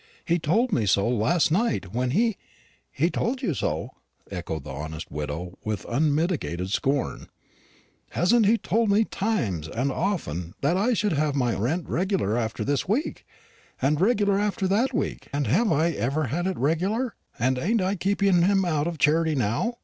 He told me so last night, when he " "He told you so!" echoed the honest widow with unmitigated scorn; "hasn't he told me times and often that I should have my rent regular after this week, and regular after that week, and have I ever had it regular? And ain't I keeping him out of charity now?